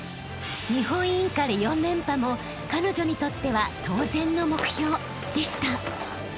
［日本インカレ４連覇も彼女にとっては当然の目標でした］